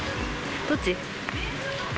どっち？